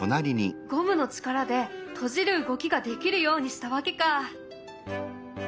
ゴムの力で閉じる動きができるようにしたわけか。